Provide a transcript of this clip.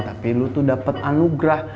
tapi lo tuh dapet anugrah